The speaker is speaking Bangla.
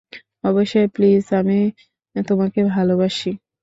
অবশ্যই - প্লিজ আমি তোমাকে ভালোবাসি।